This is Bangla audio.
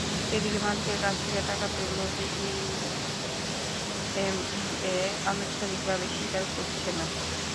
এদিকে মালিকদের কাছ থেকে টাকা তুললেও বিজিএমইএ আনুষ্ঠানিকভাবে স্বীকার করছে না।